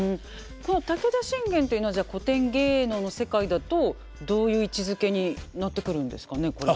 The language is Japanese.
この武田信玄というのはじゃあ古典芸能の世界だとどういう位置づけになってくるんですかねこれは。